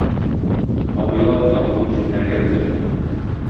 Абыйларын табуын җеннәргә белдертми.